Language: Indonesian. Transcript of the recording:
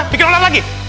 bikin masalah lagi